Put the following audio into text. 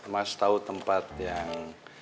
mas tau tempat yang